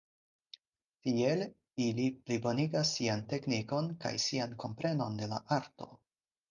Tiel ili plibonigas sian teknikon kaj sian komprenon de la arto.